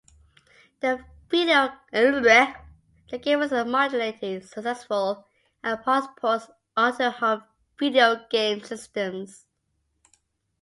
The game was moderately successful, and spawned ports onto home video game systems.